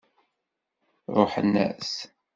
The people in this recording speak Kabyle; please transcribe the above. Ṛuḥen-as.